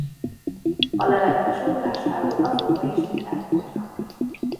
A lelet besorolásáról azóta is viták folynak.